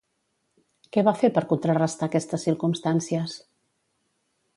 Què va fer per contrarestar aquestes circumstàncies?